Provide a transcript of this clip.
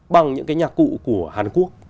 bằng những cái nhạc cụ của hàn quốc